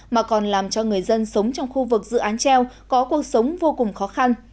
mà còn làm cho người dân sống trong khu vực dự án treo có cuộc sống vô cùng khó khăn